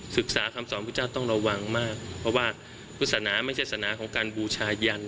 คำสอนพุทธเจ้าต้องระวังมากเพราะว่าพุทธศนาไม่ใช่ศนาของการบูชายัน